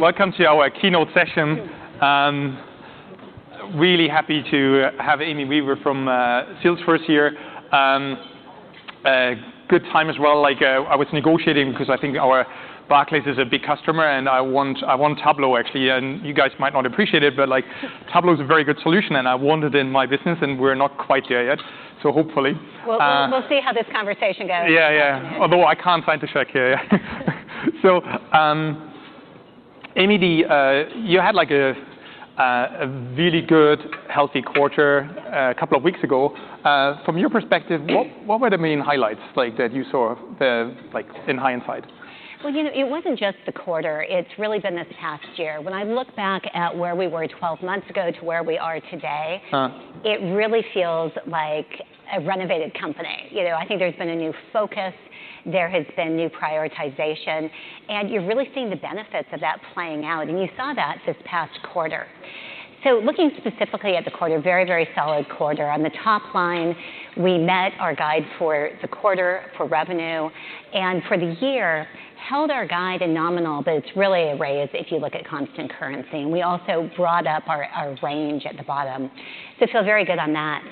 Welcome to our keynote session. Really happy to have Amy Weaver from Salesforce here. Good time as well, like I was negotiating 'cause I think our Barclays is a big customer, and I want, I want Tableau, actually, and you guys might not appreciate it, but like Tableau is a very good solution, and I want it in my business, and we're not quite there yet. So hopefully We'll see how this conversation goes. Yeah, yeah. Although I can't sign the check here yet. So, Amy... You had, like, a really good, healthy quarter a couple of weeks ago. From your perspective—what were the main highlights, like, that you saw, the, like, in hindsight? Well, you know, it wasn't just the quarter, it's really been this past year. When I look back at where we were 12 months ago to where we are today- Uh. It really feels like a renovated company. You know, I think there's been a new focus, there has been new prioritization, and you're really seeing the benefits of that playing out, and you saw that this past quarter. So looking specifically at the quarter, very, very solid quarter. On the top line, we met our guide for the quarter for revenue, and for the year, held our guide in nominal, but it's really a raise if you look at constant currency, and we also brought up our, our range at the bottom. So feel very good on that.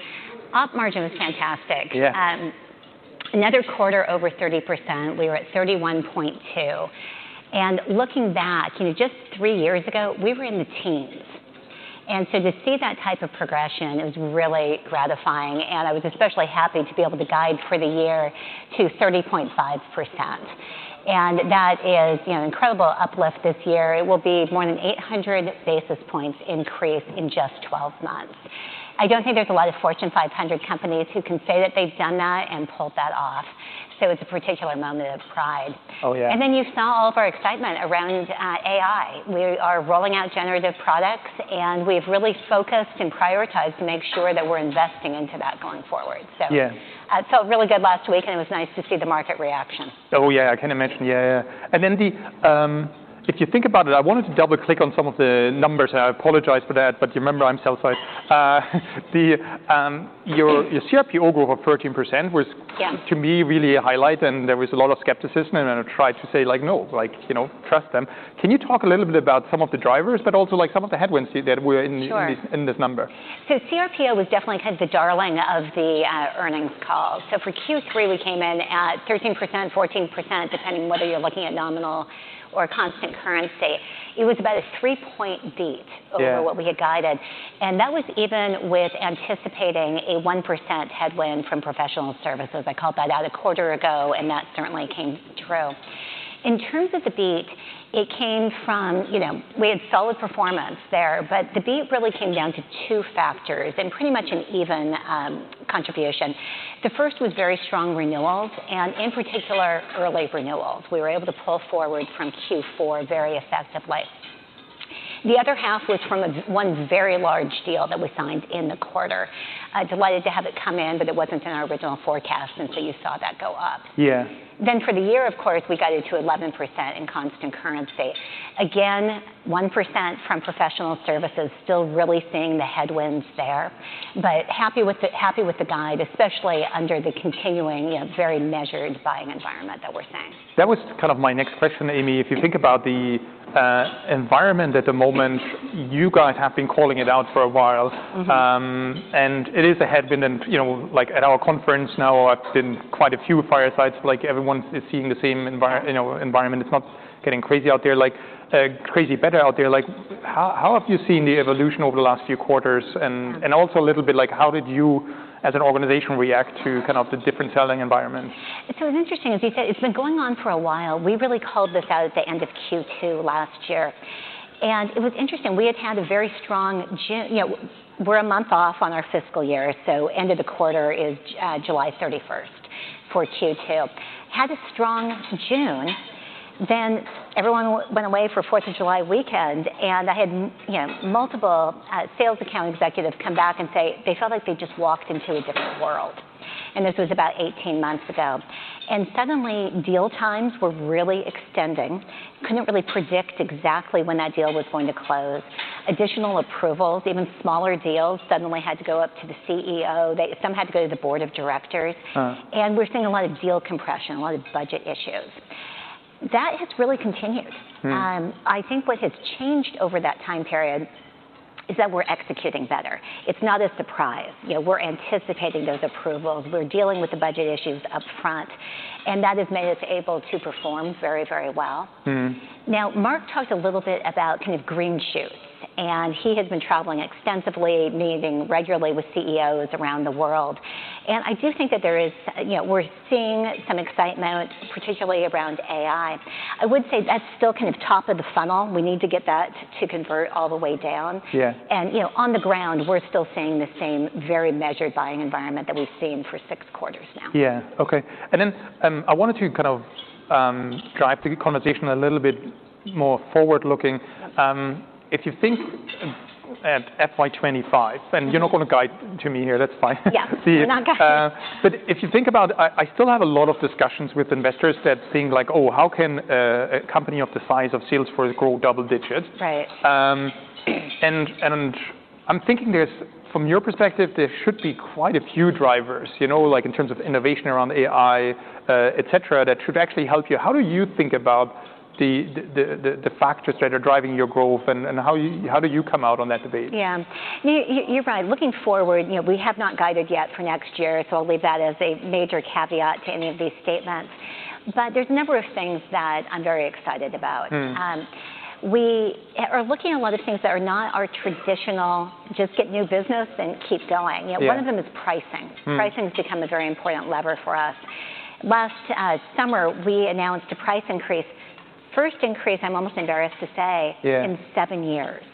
Operating margin was fantastic. Yeah. Another quarter over 30%, we were at 31.2%. And looking back, you know, just three years ago, we were in the teens. And so to see that type of progression, it was really gratifying, and I was especially happy to be able to guide for the year to 30.5%. And that is, you know, incredible uplift this year. It will be more than 800 basis points increase in just 12 months. I don't think there's a lot of Fortune 500 companies who can say that they've done that and pulled that off, so it's a particular moment of pride. Oh, yeah. And then you saw all of our excitement around AI. We are rolling out generative products, and we've really focused and prioritized to make sure that we're investing into that going forward. So- Yeah. It felt really good last week, and it was nice to see the market reaction. Oh, yeah, I kind of mentioned. Yeah, yeah. And then, if you think about it, I wanted to double-click on some of the numbers, and I apologize for that, but you remember, I'm sell-side. Your CRPO grew over 13%, was- Yeah... to me, really a highlight, and there was a lot of skepticism, and I tried to say, like, "No," like, "You know, trust them." Can you talk a little bit about some of the drivers, but also, like, some of the headwinds that were in these- Sure... in this number? So CRPO was definitely kind of the darling of the earnings call. For Q3, we came in at 13%, 14%, depending whether you're looking at nominal or constant currency. It was about a 3-point beat- Yeah... over what we had guided, and that was even with anticipating a 1% headwind from professional services. I called that out a quarter ago, and that certainly came true. In terms of the beat, it came from... You know, we had solid performance there, but the beat really came down to two factors and pretty much an even contribution. The first was very strong renewals and, in particular, early renewals. We were able to pull forward from Q4 very effectively. The other half was from one very large deal that we signed in the quarter. Delighted to have it come in, but it wasn't in our original forecast, and so you saw that go up. Yeah. Then, for the year, of course, we got it to 11% in constant currency. Again, 1% from professional services, still really seeing the headwinds there. But happy with the, happy with the guide, especially under the continuing, you know, very measured buying environment that we're seeing. That was kind of my next question, Amy. Yeah. If you think about the environment at the moment, you guys have been calling it out for a while. Mm-hmm. And it is a headwind, and, you know, like, at our conference now, I've been quite a few firesides. Like, everyone is seeing the same environment, you know. It's not getting crazy out there, like, crazy better out there. Like, how have you seen the evolution over the last few quarters? Yeah. Also, a little bit like, how did you, as an organization, react to kind of the different selling environments? It's so interesting, as you said, it's been going on for a while. We really called this out at the end of Q2 last year, and it was interesting. We had had a very strong June. You know, we're a month off on our fiscal year, so end of the quarter is July 31st for Q2. Had a strong June, then everyone went away for Fourth of July weekend, and I had, you know, multiple sales account executives come back and say they felt like they just walked into a different world, and this was about 18 months ago. And suddenly, deal times were really extending. Couldn't really predict exactly when that deal was going to close. Additional approvals, even smaller deals, suddenly had to go up to the CEO. Some had to go to the board of directors. Uh. We're seeing a lot of deal compression, a lot of budget issues. That has really continued. Hmm. I think what has changed over that time period is that we're executing better. It's not a surprise. You know, we're anticipating those approvals, we're dealing with the budget issues upfront, and that has made us able to perform very, very well. Mm-hmm. Now, Mark talked a little bit about kind of green shoots, and he has been traveling extensively, meeting regularly with CEOs around the world. I do think that there is... You know, we're seeing some excitement, particularly around AI. I would say that's still kind of top of the funnel. We need to get that to convert all the way down. Yeah. You know, on the ground, we're still seeing the same very measured buying environment that we've seen for six quarters now. Yeah. Okay. And then, I wanted to kind of, drive the conversation a little bit more forward-looking. Yeah. If you think at FY 2025, and you're not going to guide to me here, that's fine. Yeah. See you. I'm not guiding. But if you think about... I still have a lot of discussions with investors that think like: "Oh, how can a company of the size of Salesforce grow double digits? Right. I'm thinking there's, from your perspective, there should be quite a few drivers, you know, like in terms of innovation around AI, et cetera, that should actually help you. How do you think about the factors that are driving your growth, and how do you come out on that debate? Yeah. You, you're right. Looking forward, you know, we have not guided yet for next year, so I'll leave that as a major caveat to any of these statements. But there's a number of things that I'm very excited about. Mm. We are looking at a lot of things that are not our traditional, just get new business and keep going. Yeah. One of them is pricing. Mm. Pricing has become a very important lever for us. Last summer, we announced a price increase, first increase. I'm almost embarrassed to say- Yeah... in seven years.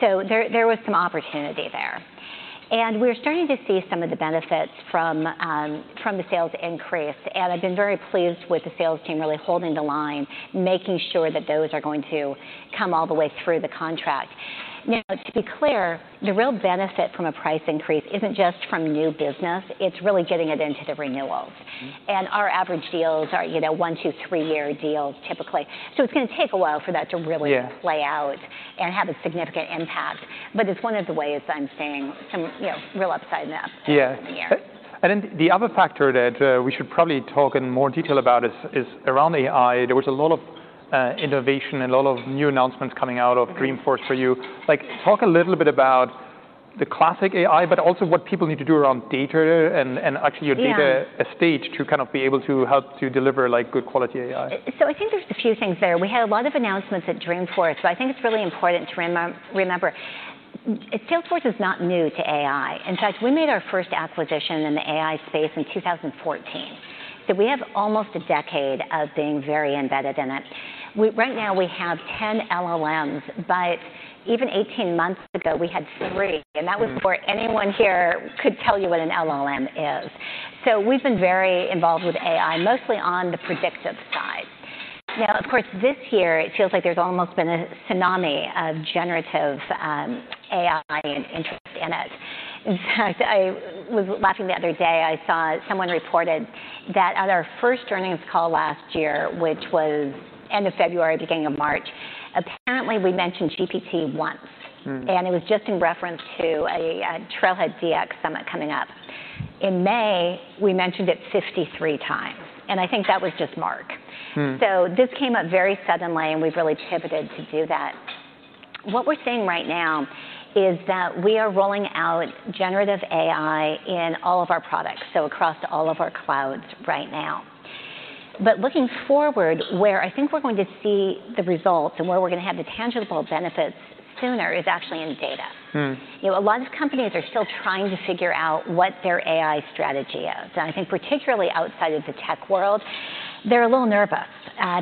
So there, there was some opportunity there, and we're starting to see some of the benefits from the sales increase. And I've been very pleased with the sales team really holding the line, making sure that those are going to come all the way through the contract. Now, to be clear, the real benefit from a price increase isn't just from new business, it's really getting it into the renewals. Mm. Our average deals are, you know, 1, 2, 3-year deals, typically. So it's gonna take a while for that to really- Yeah... play out and have a significant impact, but it's one of the ways I'm seeing some, you know, real upside in that- Yeah -area. Then the other factor that we should probably talk in more detail about is around AI. There was a lot of innovation and a lot of new announcements coming out of- Mm... Dreamforce for you. Like, talk a little bit about the classic AI, but also what people need to do around data and, and actually your- Yeah... data estate to kind of be able to help to deliver, like, good quality AI. So I think there's a few things there. We had a lot of announcements at Dreamforce, so I think it's really important to remember, Salesforce is not new to AI. In fact, we made our first acquisition in the AI space in 2014, so we have almost a decade of being very embedded in it. We right now, we have 10 LLMs, but even 18 months ago, we had 3, and that was before anyone here could tell you what an LLM is. So we've been very involved with AI, mostly on the predictive side. Now, of course, this year it feels like there's almost been a tsunami of generative AI and interest in it. In fact, I was laughing the other day. I saw someone reported that at our first earnings call last year, which was end of February, beginning of March, apparently we mentioned GPT once. Mm. It was just in reference to a TrailheadDX summit coming up. In May, we mentioned it 53 times, and I think that was just Mark. Mm. This came up very suddenly, and we've really pivoted to do that. What we're seeing right now is that we are rolling out generative AI in all of our products, so across all of our clouds right now. But looking forward, where I think we're going to see the results and where we're gonna have the tangible benefits sooner, is actually in data. Mm. You know, a lot of companies are still trying to figure out what their AI strategy is, and I think particularly outside of the tech world, they're a little nervous.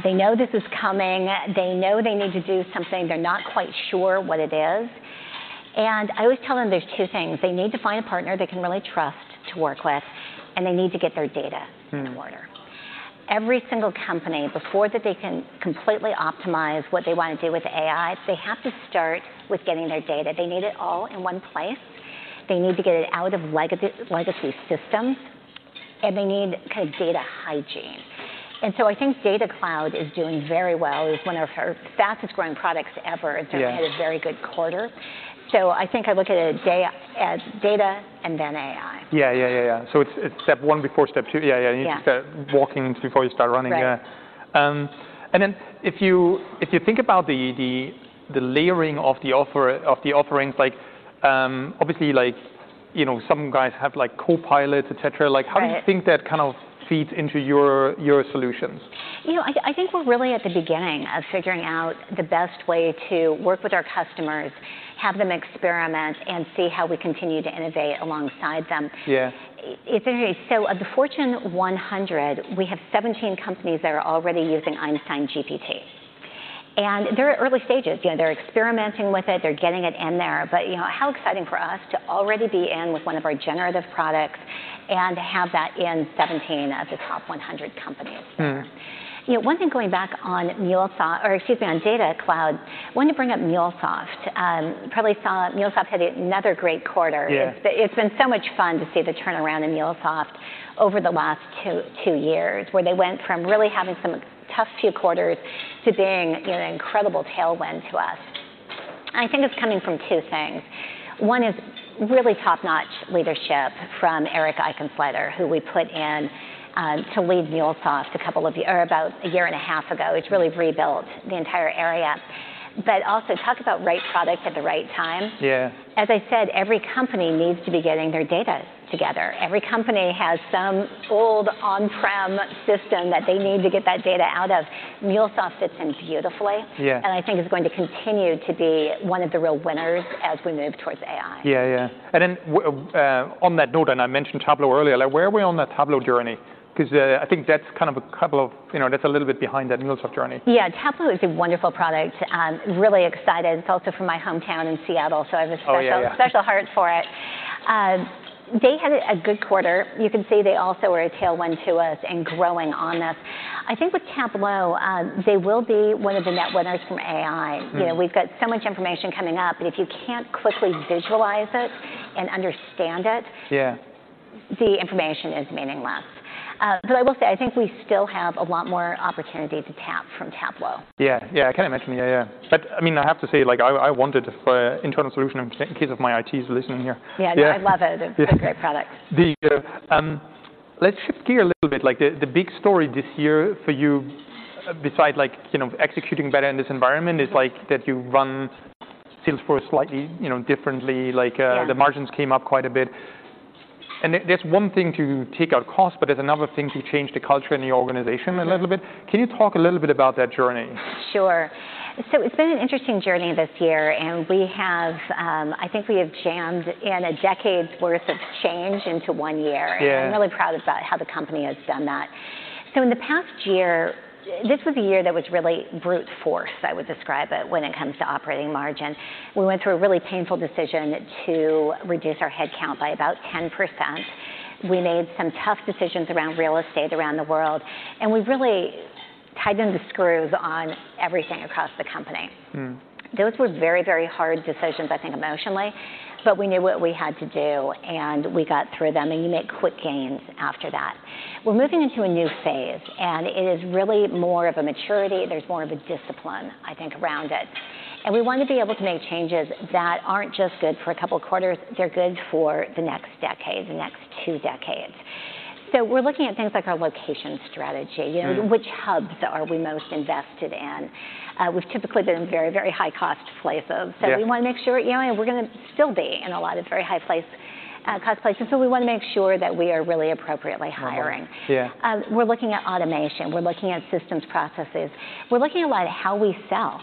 They know this is coming. They know they need to do something. They're not quite sure what it is. I always tell them there's two things: They need to find a partner they can really trust to work with, and they need to get their data- Mm... in order. Every single company, before that they can completely optimize what they want to do with AI, they have to start with getting their data. They need it all in one place. They need to get it out of legacy systems, and they need kind of data hygiene. And so I think Data Cloud is doing very well. It's one of our fastest-growing products ever. Yeah. It's had a very good quarter. So I think I look at it as data and then AI. Yeah, yeah, yeah. So it's step one before step two. Yeah, yeah- Yeah... you need to start walking before you start running. Right. Yeah. And then if you think about the layering of the offerings, like, obviously, like, you know, some guys have like copilots, et cetera. Right. Like, how do you think that kind of feeds into your, your solutions? You know, I think we're really at the beginning of figuring out the best way to work with our customers, have them experiment, and see how we continue to innovate alongside them. Yeah. It's interesting. So of the Fortune 100, we have 17 companies that are already using Einstein GPT, and they're at early stages. You know, they're experimenting with it. They're getting it in there. But you know, how exciting for us to already be in with one of our generative products and have that in 17 of the top 100 companies. Mm. You know, one thing, going back on MuleSoft- or excuse me, on Data Cloud, wanted to bring up MuleSoft. Probably saw MuleSoft had another great quarter. Yeah. It's been so much fun to see the turnaround in MuleSoft over the last two years, where they went from really having some tough few quarters to being, you know, an incredible tailwind to us. I think it's coming from two things. One is really top-notch leadership from Eric Eyken-Sluyters, who we put in to lead MuleSoft about a year and a half ago. He's really rebuilt the entire area. But also, talk about right product at the right time. Yeah. As I said, every company needs to be getting their data together. Every company has some old on-prem system that they need to get that data out of. MuleSoft fits in beautifully- Yeah... and I think is going to continue to be one of the real winners as we move towards AI. Yeah, yeah. And then, on that note, and I mentioned Tableau earlier, like, where are we on that Tableau journey? 'Cause I think that's kind of a couple of... You know, that's a little bit behind that MuleSoft journey. Yeah. Tableau is a wonderful product. Really excited. It's also from my hometown in Seattle, so I have a special- Oh, yeah, yeah... special heart for it. They had a good quarter. You can say they also are a tailwind to us and growing on us. I think with Tableau, they will be one of the net winners from AI. Mm. You know, we've got so much information coming up, and if you can't quickly visualize it and understand it- Yeah... the information is meaningless. So, I will say, I think we still have a lot more opportunity to tap from Tableau. Yeah. Yeah, I kinda mentioned it. Yeah, yeah. But, I mean, I have to say, like, I wanted a internal solution in case if my IT is listening here. Yeah. Yeah. No, I love it. Yeah. It's a great product. Let's shift gear a little bit. Like, the big story this year for you, besides, like, you know, executing better in this environment, is, like, that you run Salesforce slightly, you know, differently. Like, Yeah... the margins came up quite a bit. That's one thing to take out costs, but it's another thing to change the culture in the organization a little bit. Mm-hmm. Can you talk a little bit about that journey? Sure. So it's been an interesting journey this year, and we have, I think we have jammed in a decade's worth of change into one year. Yeah. I'm really proud about how the company has done that. In the past year, this was a year that was really brute force, I would describe it, when it comes to operating margin. We went through a really painful decision to reduce our headcount by about 10%. We made some tough decisions around real estate around the world, and we really tightened the screws on everything across the company. Mm. Those were very, very hard decisions, I think, emotionally, but we knew what we had to do, and we got through them, and you make quick gains after that. We're moving into a new phase, and it is really more of a maturity. There's more of a discipline, I think, around it, and we want to be able to make changes that aren't just good for a couple quarters, they're good for the next decade, the next two decades. So we're looking at things like our location strategy- Mm... you know, which hubs are we most invested in? We've typically been in very, very high-cost places. Yeah. We wanna make sure, you know, we're gonna still be in a lot of very high place, cost places, so we wanna make sure that we are really appropriately hiring. Yeah. We're looking at automation. We're looking at systems, processes. We're looking a lot at how we sell.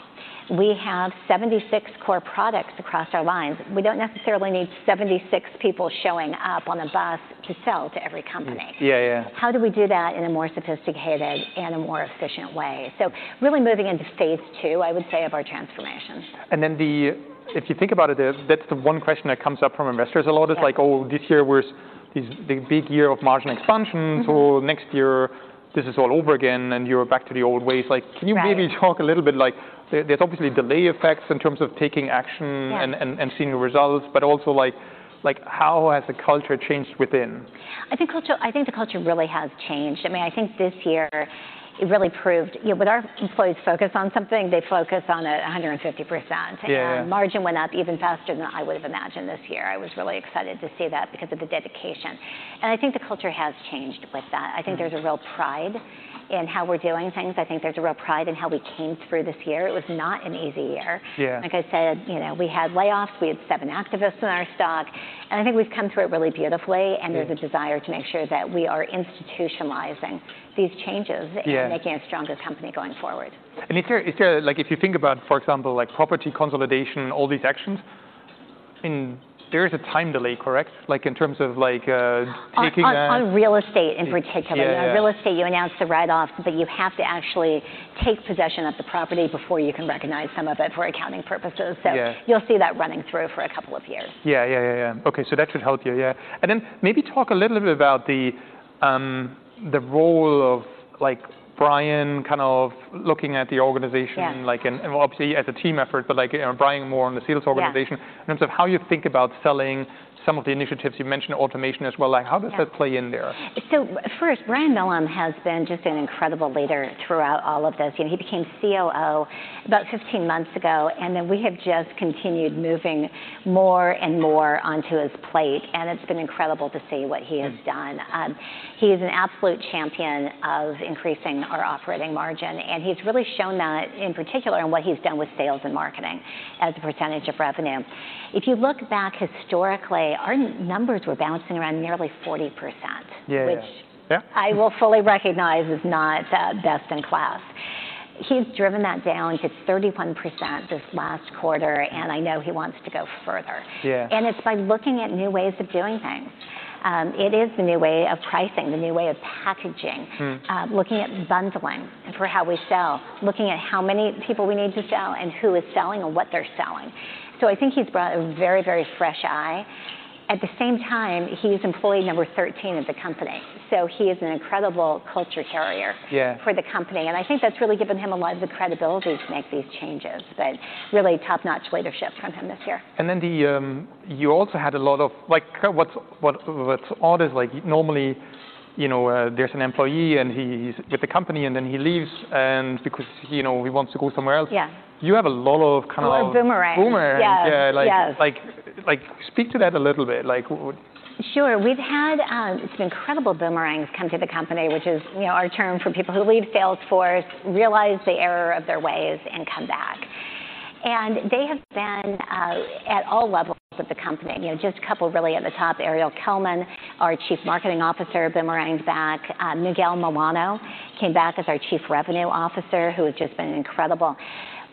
We have 76 core products across our lines. We don't necessarily need 76 people showing up on a bus to sell to every company. Yeah, yeah. How do we do that in a more sophisticated and a more efficient way? So really moving into phase two, I would say, of our transformation. If you think about it, that's the one question that comes up from investors a lot. Yeah... is like: "Oh, this year was the big year of margin expansion- Mm-hmm... so next year, this is all over again, and you're back to the old ways." Like, can you- Right... maybe talk a little bit, like, there's obviously delay effects in terms of taking action- Yeah... and seeing the results, but also, like, how has the culture changed within? I think the culture really has changed. I mean, I think this year it really proved, you know, when our employees focus on something, they focus on it 150%. Yeah. Margin went up even faster than I would've imagined this year. I was really excited to see that because of the dedication, and I think the culture has changed with that. Mm. I think there's a real pride in how we're doing things. I think there's a real pride in how we came through this year. It was not an easy year. Yeah. Like I said, you know, we had layoffs. We had seven activists in our stock, and I think we've come through it really beautifully- Yeah... and there's a desire to make sure that we are institutionalizing these changes- Yeah... and making a stronger company going forward. Is there... Like, if you think about, for example, like, property consolidation and all these actions, there is a time delay, correct? Like, in terms of, like, taking a- On real estate in particular. Yeah. You know, real estate, you announce the write-off, but you have to actually take possession of the property before you can recognize some of it for accounting purposes. Yeah. You'll see that running through for a couple of years. Yeah, yeah, yeah, yeah. Okay, so that should help you, yeah. And then maybe talk a little bit about the, the role of, like, Brian kind of looking at the organization- Yeah... like, and obviously as a team effort, but like, you know, Brian more on the sales organization- Yeah... in terms of how you think about selling some of the initiatives. You mentioned automation as well. Yeah. Like, how does that play in there? So first, Brian Millham has been just an incredible leader throughout all of this. You know, he became COO about 15 months ago, and then we have just continued moving more and more onto his plate, and it's been incredible to see what he has done. Mm. He is an absolute champion of increasing our operating margin, and he's really shown that, in particular, in what he's done with sales and marketing as a percentage of revenue. If you look back historically, our numbers were bouncing around nearly 40%- Yeah, yeah... which- Yeah... I will fully recognize is not, best in class. He's driven that down to 31% this last quarter, and I know he wants to go further. Yeah. It's by looking at new ways of doing things. It is the new way of pricing, the new way of packaging- Mm... looking at bundling for how we sell, looking at how many people we need to sell, and who is selling, and what they're selling. So I think he's brought a very, very fresh eye. At the same time, he's employee number 13 at the company, so he is an incredible culture carrier. Yeah... for the company, and I think that's really given him a lot of the credibility to make these changes. But really top-notch leadership from him this year. And then you also had a lot of, like, what's odd is, like, normally, you know, there's an employee, and he's with the company, and then he leaves, and because, you know, he wants to go somewhere else. Yeah. You have a lot of kind of- A lot of boomerangs.... boomerangs. Yes. Yeah, like- Yes... like, like, speak to that a little bit. Like, what, what? Sure. We've had some incredible boomerangs come to the company, which is, you know, our term for people who leave Salesforce, realize the error of their ways, and come back. And they have been at all levels of the company. You know, just a couple really at the top, Ariel Kelman, our Chief Marketing Officer, boomeranged back. Miguel Milano came back as our Chief Revenue Officer, who has just been incredible.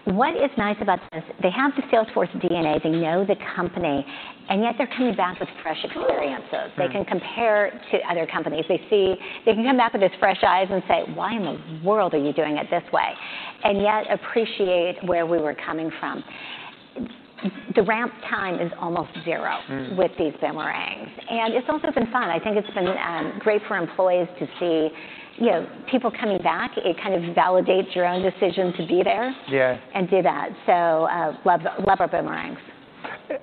What is nice about this, they have the Salesforce DNA, they know the company, and yet they're coming back with fresh experiences. Mm. They can compare to other companies. They see-- They can come back with these fresh eyes and say, "Why in the world are you doing it this way?" And yet appreciate where we were coming from. The ramp time is almost zero- Mm... with these boomerangs, and it's also been fun. I think it's been great for employees to see, you know, people coming back. It kind of validates your own decision to be there- Yeah... and do that, so, love, love our boomerangs. ...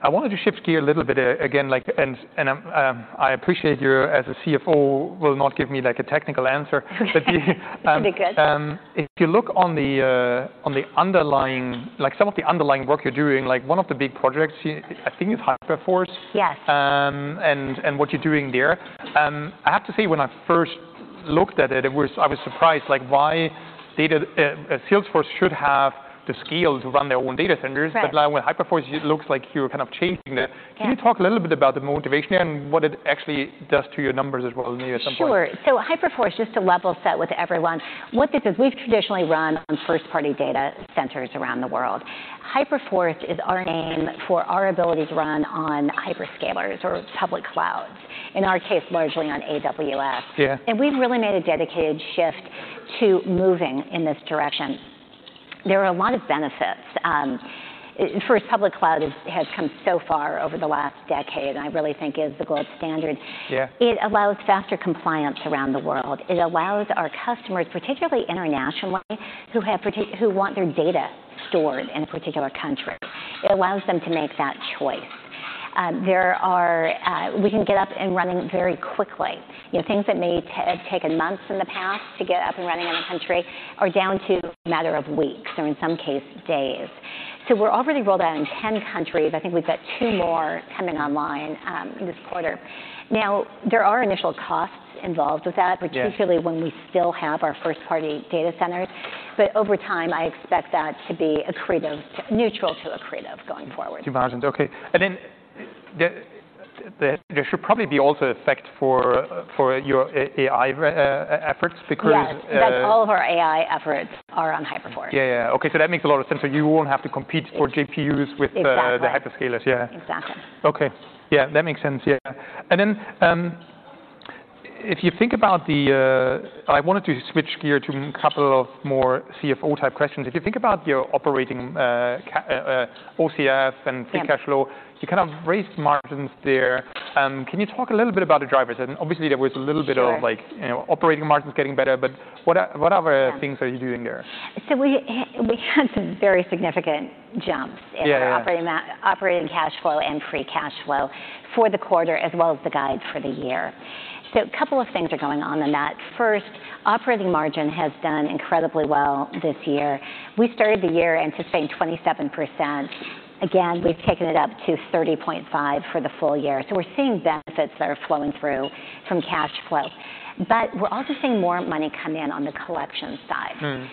I wanted to shift gear a little bit, again, like, I appreciate you, as a CFO, will not give me, like, a technical answer. That'd be good. If you look on the underlying, like, some of the underlying work you're doing, like, one of the big projects, I think it's Hyperforce? Yes. What you're doing there. I have to say, when I first looked at it, I was surprised, like, why data, Salesforce should have the scale to run their own data centers. Right. But now with Hyperforce, it looks like you're kind of changing that. Yeah. Can you talk a little bit about the motivation and what it actually does to your numbers as well, maybe at some point? Sure. So Hyperforce, just to level set with everyone, what this is, we've traditionally run on first-party data centers around the world. Hyperforce is our name for our ability to run on hyperscalers or public clouds, in our case, largely on AWS. Yeah. We've really made a dedicated shift to moving in this direction. There are a lot of benefits. First, public cloud has come so far over the last decade, and I really think is the gold standard. Yeah. It allows faster compliance around the world. It allows our customers, particularly internationally, who want their data stored in a particular country, it allows them to make that choice. There are. We can get up and running very quickly. You know, things that may have taken months in the past to get up and running in a country are down to a matter of weeks or, in some case, days. So we're already rolled out in 10 countries. I think we've got 2 more coming online, this quarter. Now, there are initial costs involved with that- Yeah... particularly when we still have our first-party data centers. But over time, I expect that to be accretive, neutral to accretive going forward. To margins, okay. And then, there should probably be also effect for your AI efforts, because, Yes, all of our AI efforts are on Hyperforce. Yeah, yeah, yeah. Okay, so that makes a lot of sense, so you won't have to compete for GPUs with- Exactly... the hyperscalers. Yeah. Exactly. Okay. Yeah, that makes sense. Yeah. And then, if you think about the, I wanted to switch gear to a couple of more CFO-type questions. If you think about your operating OCF and free cash flow. Yeah ... you kind of raised margins there. Can you talk a little bit about the drivers? And obviously, there was a little bit of- Sure... like, you know, operating margins getting better, but what are, what other things are you doing there? So we had some very significant jumps- Yeah, yeah... in our operating cash flow and free cash flow for the quarter, as well as the guide for the year. So a couple of things are going on in that. First, operating margin has done incredibly well this year. We started the year anticipating 27%. Again, we've taken it up to 30.5% for the full year, so we're seeing benefits that are flowing through from cash flow. But we're also seeing more money come in on the collection side. Mm.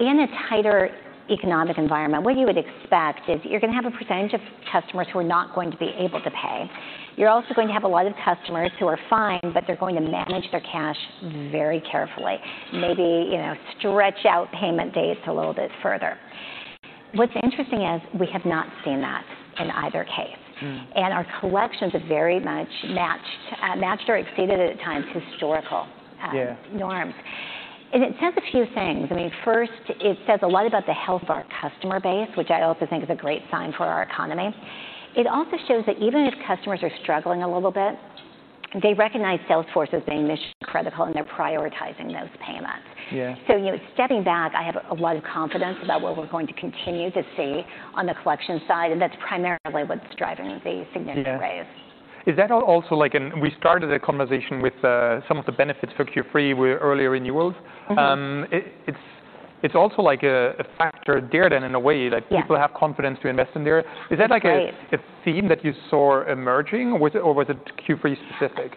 In a tighter economic environment, what you would expect is you're going to have a percentage of customers who are not going to be able to pay. You're also going to have a lot of customers who are fine, but they're going to manage their cash very carefully, maybe, you know, stretch out payment dates a little bit further. What's interesting is, we have not seen that in either case. Mm. And our collections have very much matched, matched or exceeded at times, historical, Yeah... norms. It says a few things. I mean, first, it says a lot about the health of our customer base, which I also think is a great sign for our economy. It also shows that even if customers are struggling a little bit, they recognize Salesforce as a mission-critical, and they're prioritizing those payments. Yeah. So, you know, stepping back, I have a lot of confidence about what we're going to continue to see on the collection side, and that's primarily what's driving the significant raise. Yeah. Is that all also like... And we started the conversation with, some of the benefits for Q3 were early renewals. Mm-hmm. It's also like a factor there, then, in a way- Yeah... that people have confidence to invest in there. Right. Is that like a theme that you saw emerging, or was it Q3 specific?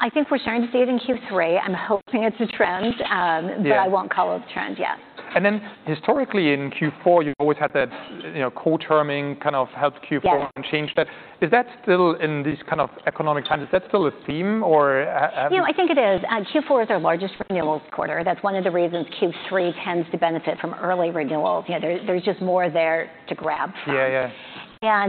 I think we're starting to see it in Q3. I'm hoping it's a trend. Yeah... but I won't call it a trend yet. And then historically, in Q4, you've always had that, you know, co-terming kind of help Q4- Yes... change. But is that still, in these kind of economic times, is that still a theme, or? You know, I think it is. Q4 is our largest renewals quarter. That's one of the reasons Q3 tends to benefit from early renewals. You know, there's, there's just more there to grab from. Yeah, yeah.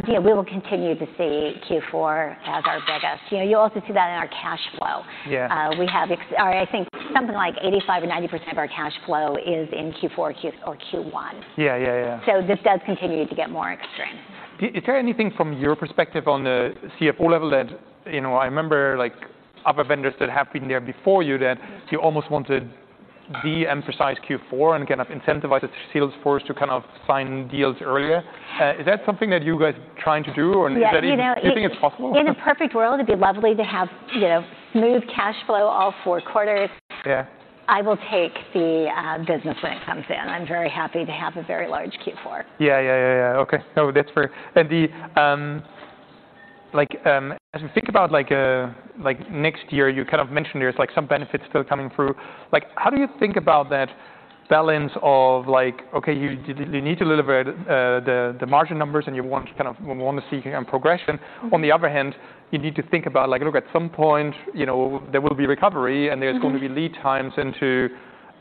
You know, we will continue to see Q4 as our biggest. You know, you'll also see that in our cash flow. Yeah. We have, or I think, something like 85% or 90% of our cash flow is in Q4 or Q1. Yeah, yeah, yeah. This does continue to get more extreme. Is there anything from your perspective on the CFO level that... You know, I remember, like, other vendors that have been there before you, that you almost want to de-emphasize Q4 and kind of incentivize Salesforce to kind of sign deals earlier. Is that something that you guys are trying to do, or is that even- Yeah, you know, Do you think it's possible? In a perfect world, it'd be lovely to have, you know, smooth cash flow all four quarters. Yeah. I will take the business when it comes in. I'm very happy to have a very large Q4. Yeah, yeah, yeah, yeah. Okay. No, that's fair. And the, like, as we think about, like next year, you kind of mentioned there's, like, some benefits still coming through. Like, how do you think about that balance of like, okay, you need to deliver, the margin numbers, and you want to kind of, we wanna see progression? Mm. On the other hand, you need to think about, like, look, at some point, you know, there will be recovery- Mm... and there's going to be lead times into,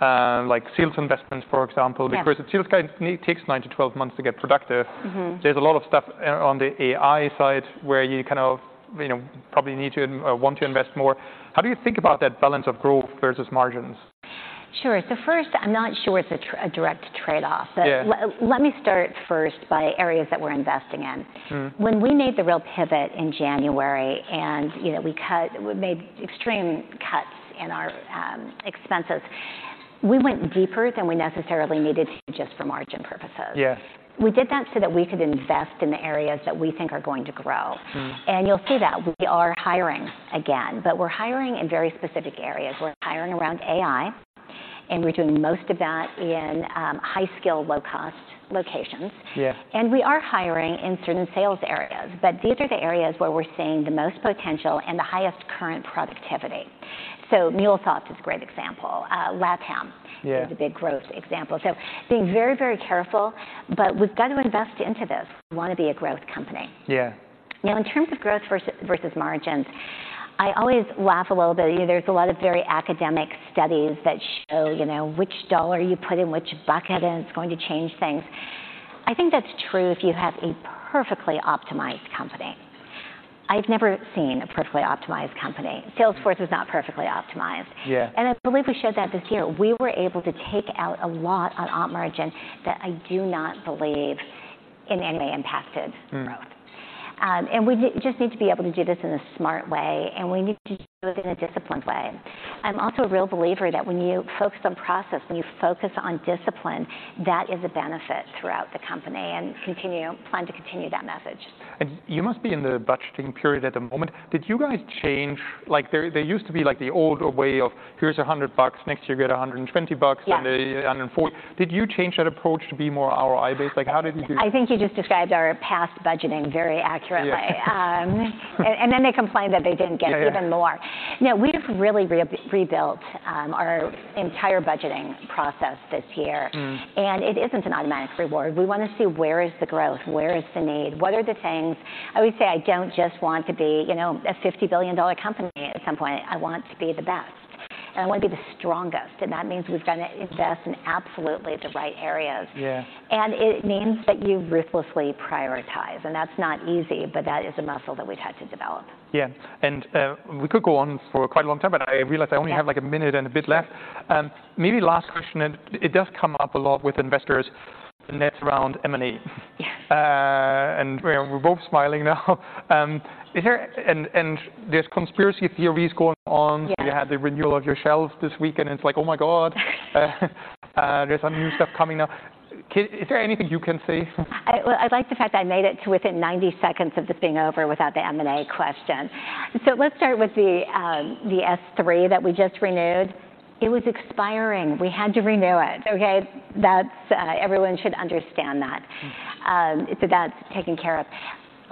like, sales investments, for example. Yeah. Because a sales guy takes 9-12 months to get productive. Mm-hmm. There's a lot of stuff on the AI side, where you kind of, you know, probably need to want to invest more. How do you think about that balance of growth versus margins? Sure. So first, I'm not sure it's a direct trade-off. Yeah. But let me start first by areas that we're investing in. Mm-hmm. When we made the real pivot in January, and, you know, we made extreme cuts in our expenses. We went deeper than we necessarily needed to just for margin purposes. Yes. We did that so that we could invest in the areas that we think are going to grow. Mm. You'll see that we are hiring again, but we're hiring in very specific areas. We're hiring around AI, and we're doing most of that in high-skill, low-cost locations. Yes. We are hiring in certain sales areas, but these are the areas where we're seeing the most potential and the highest current productivity. So MuleSoft is a great example. Labham- Yeah is a big growth example. Being very, very careful, but we've got to invest into this. We wanna be a growth company. Yeah. Now, in terms of growth versus margins, I always laugh a little bit. You know, there's a lot of very academic studies that show, you know, which dollar you put in which bucket, and it's going to change things. I think that's true if you have a perfectly optimized company. I've never seen a perfectly optimized company. Salesforce is not perfectly optimized. Yeah. I believe we showed that this year. We were able to take out a lot on Op margin that I do not believe in any way impacted- Mm... growth. And we just need to be able to do this in a smart way, and we need to do it in a disciplined way. I'm also a real believer that when you focus on process, when you focus on discipline, that is a benefit throughout the company, and plan to continue that message. You must be in the budgeting period at the moment. Did you guys change... Like, there, there used to be, like, the old way of, "Here's $100. Next year, you get $120 bucks- Yeah -and then 140." Did you change that approach to be more ROI based? Like, how did you do that? I think you just described our past budgeting very accurately. Yeah. And then they complained that they didn't get even more. Yeah. No, we have really rebuilt our entire budgeting process this year. Mm. It isn't an automatic reward. We wanna see where is the growth, where is the need, what are the things... I would say I don't just want to be, you know, a $50 billion company at some point. I want to be the best, and I wanna be the strongest, and that means we've gotta invest in absolutely the right areas. Yeah. It means that you ruthlessly prioritize, and that's not easy, but that is a muscle that we've had to develop. Yeah, and, we could go on for quite a long time, but I realize- Yeah... I only have, like, a minute and a bit left. Maybe last question, and it does come up a lot with investors, and that's around M&A. Yes. And, you know, we're both smiling now. Is there... And there's conspiracy theories going on. Yeah. You had the renewal of your S-3s this week, and it's like, "Oh, my God!" There's some new stuff coming now. Can—is there anything you can say? Well, I like the fact that I made it to within 90 seconds of this being over without the M&A question. So let's start with the, the S-3 that we just renewed. It was expiring. We had to renew it, okay? That's... Everyone should understand that. Mm. That's taken care of.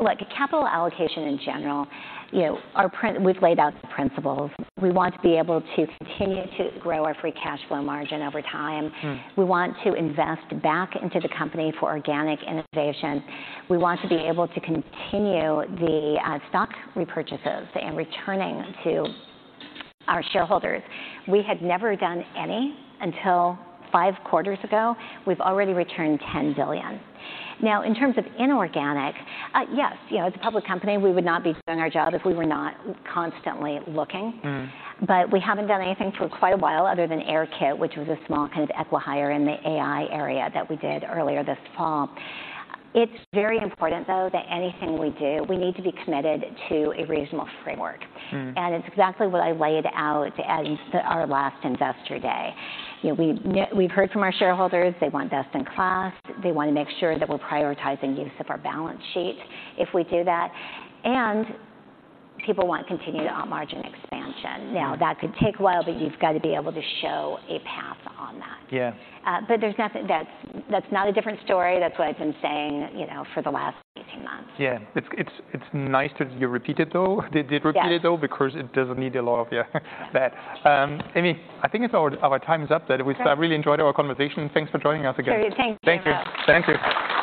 Look, capital allocation in general, you know, we've laid out the principles. We want to be able to continue to grow our free cash flow margin over time. Mm. We want to invest back into the company for organic innovation. We want to be able to continue the stock repurchases and returning to our shareholders. We had never done any until five quarters ago. We've already returned $10 billion. Now, in terms of inorganic, yes, you know, as a public company, we would not be doing our job if we were not constantly looking. Mm. We haven't done anything for quite a while other than Airkit, which was a small kind of acqui-hire in the AI area that we did earlier this fall. It's very important, though, that anything we do, we need to be committed to a reasonable framework. Mm. It's exactly what I laid out at our last Investor Day. You know, we've heard from our shareholders. They want best-in-class. They wanna make sure that we're prioritizing use of our balance sheet if we do that, and people want continued op margin expansion. Mm. Now, that could take a while, but you've got to be able to show a path on that. Yeah. But there's nothing... That's, that's not a different story. That's what I've been saying, you know, for the last 18 months. Yeah. It's nice that you repeat it, though. That you did repeat it- Yeah... though, because it doesn't need a lot of, yeah, that. Amy, I think it's our time is up. Okay. But it was... I really enjoyed our conversation. Thanks for joining us again. Thank you very much. Thank you. Thank you.